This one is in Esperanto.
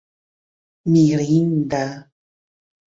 mirinda